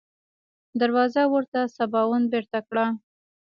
دروازه ورته سباوون بېرته کړه.